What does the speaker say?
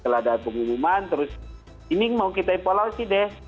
kalau ada pengumuman terus ini mau kita evaluasi deh